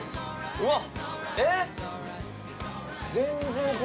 ◆うわっ！